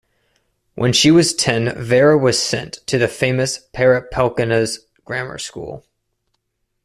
When she was ten Vera was sent to the famous Perepelkina's grammar school.